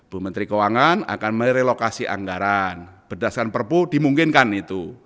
bu menteri keuangan akan merelokasi anggaran berdasarkan perpu dimungkinkan itu